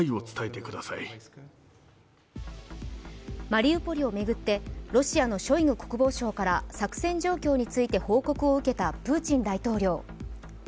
マリウポリを巡ってロシアのショイグ国防相から作戦状況について報告を受けたプーチン大統領。